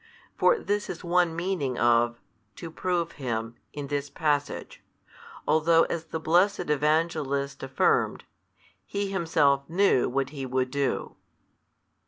For this is one meaning of, To prove him, in this passage, although as the blessed Evangelist affirmed, He Himself knew what He would do.